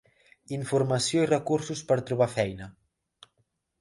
Informació i recursos per trobar feina.